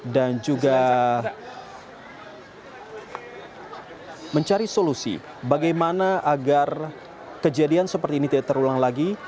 juga mencari solusi bagaimana agar kejadian seperti ini tidak terulang lagi